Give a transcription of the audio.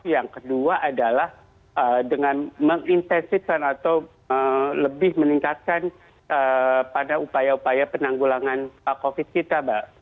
yang kedua adalah dengan mengintensifkan atau lebih meningkatkan pada upaya upaya penanggulangan covid kita mbak